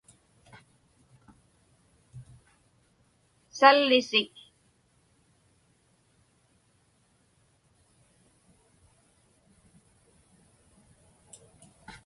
sallisik